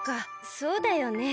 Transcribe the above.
そうだよね。